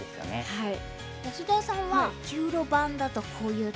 はい。